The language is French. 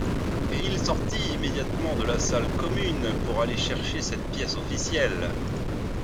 Et il sortit immédiatement de la salle commune pour aller chercher cette pièce officielle.